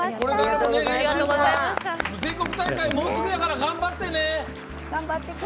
全国大会もうすぐやから頑張ってね！